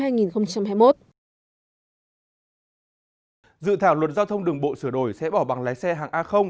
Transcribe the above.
hôm hai mươi một dự thảo luật giao thông đường bộ sửa đổi sẽ bỏ bằng lái xe hàng a